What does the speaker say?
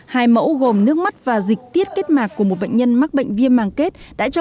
hai mẫu gồm nước mắt và dịch tiết kết mạc của một bệnh nhân mắc bệnh viêm màng kết đã cho